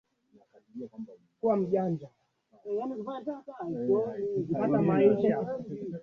Kutopatikana kwa maji safi kwa wakazi wa mjini na vijijini